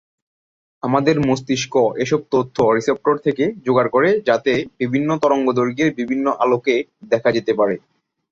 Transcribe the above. আমাদের মস্তিষ্ক এসব তথ্য রিসেপ্টর থেকে জোগাড় করে যাতে বিভিন্ন তরঙ্গদৈর্ঘ্যের বিভিন্ন আলোকে দেখা যেতে পারে।